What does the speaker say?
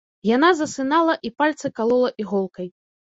Яна засынала і пальцы калола іголкай.